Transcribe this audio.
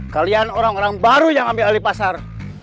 kalian orang orang baru yang ambil alih pasar